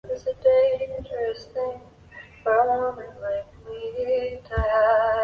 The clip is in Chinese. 阿宝遵照老皮的建议向公主求婚。